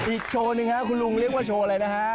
อีกโชว์หนึ่งครับคุณลุงเรียกว่าโชว์อะไรนะฮะ